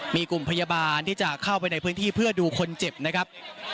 มีกลุ่มพยาบาลที่จะเข้าไปในพื้นที่เพื่อดูคนเจ็บนะครับ